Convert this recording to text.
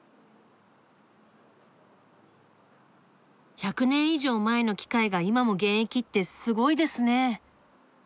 １００年以上前の機械が今も現役ってすごいですね。